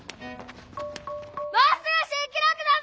もうすぐ新記ろくだぞ！